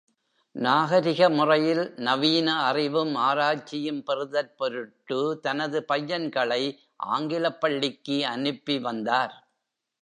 நாகரிக முறையில் நவீன அறிவும், ஆராய்ச்சியும் பெறுதற் பொருட்டு தனது பையன்களை ஆங்கிலப் பள்ளிக்கு அனுப்பி வந்தார்.